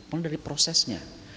paling dari prosesnya